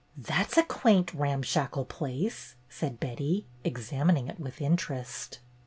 "That 's a quaint, ramshackle place," said Betty, examining it with interest.